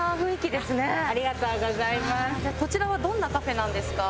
こちらはどんなカフェなんですか？